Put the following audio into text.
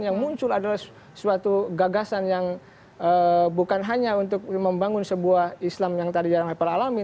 yang muncul adalah suatu gagasan yang bukan hanya untuk membangun sebuah islam yang tadi jarang apel alami